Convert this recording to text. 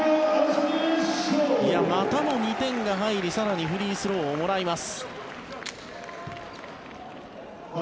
またも２点が入り更にフリースローをもらいます。